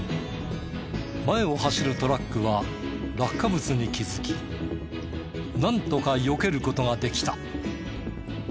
前を走るトラックは落下物に気づきなんとかよける事ができた。